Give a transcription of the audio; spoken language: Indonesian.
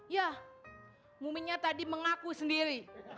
ya muminya tadi mengaku sendiri